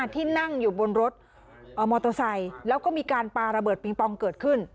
ที่นั่งอยู่บนรถมอเตอร์ไซค์แล้วก็มีการปาระเบิดปิงปองเกิดขึ้น